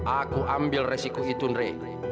aku ambil resiko hitun rey